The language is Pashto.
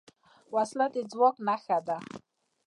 وسله د ځواک نښه ده